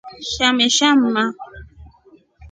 Shamesha mma.